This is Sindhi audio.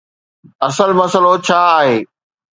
اصل مسئلو ڇا آهي؟